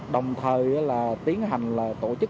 đồng thời tiến hành tổ chức